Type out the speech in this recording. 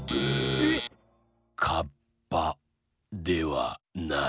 えっ⁉カッパではない。